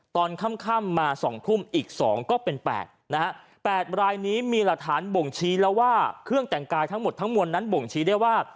ตอนค่ำมา๒ทุ่มอีก๒ก็เป็น๘นะฮะ๘รายนี้มีหลักฐานบ่งชี้แล้วว่าเครื่องแต่งกายทั้งหมดทั้งมวลนั้นบ่งชี้ได้ว่า